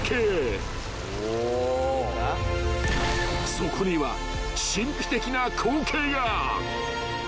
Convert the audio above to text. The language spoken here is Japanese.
［そこには神秘的な光景が］